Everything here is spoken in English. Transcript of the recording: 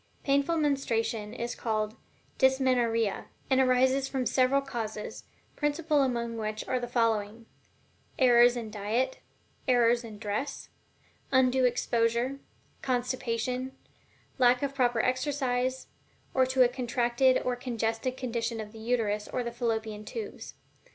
Painful menstruation is called "dysmenorrhea," and arises from several causes, principal among which are the following: Errors in diet, errors in dress, undue exposure, constipation, lack of proper exercise, or to a contracted or congested condition of the Uterus or the Fallopian Tubes.